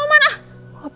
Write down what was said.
ini kan udah malem